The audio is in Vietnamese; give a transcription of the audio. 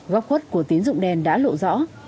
góc khuất của tín dụng đen đã lộ rõ